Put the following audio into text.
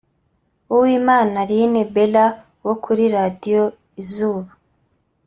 Uwimana Aline Bella wo kuri Radio Izuba